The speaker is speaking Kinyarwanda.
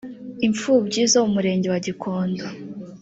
imfubyi zo mu murenge wa gikondo